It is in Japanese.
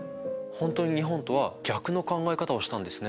本当に日本とは逆の考え方をしたんですね。